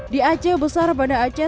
di aceh besar banda aceh